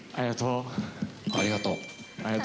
ありがとう。